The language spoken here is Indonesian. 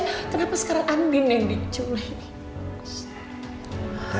kenapa sekarang andin yang diculik